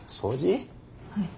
はい。